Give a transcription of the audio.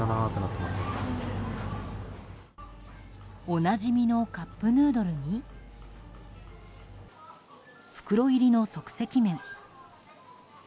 おなじみのカップヌードルに袋入りの即席麺。